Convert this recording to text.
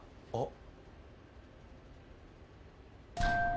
あっ。